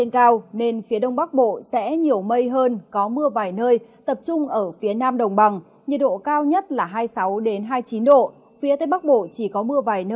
cảm ơn các bạn đã xem